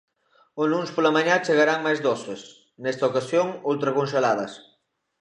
O luns pola mañá chegarán máis doses, nesta ocasión ultraconxeladas.